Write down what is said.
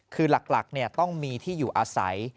คือหลักต้องมีที่อยู่อาศัย